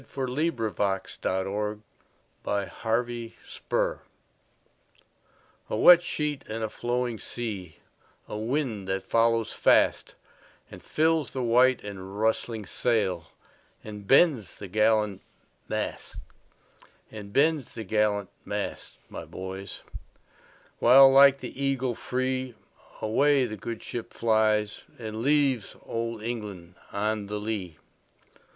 "A wet sheet and a flowing sea" A WET sheet and a flowing sea,A wind that follows fastAnd fills the white and rustling sailAnd bends the gallant mast; And bends the gallant mast, my boys, While like the eagle freeAway the good ship flies, and leavesOld England on the lee.